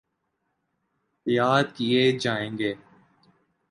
یاد کیے جائیں گے۔